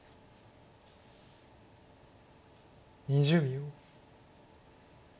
２０秒。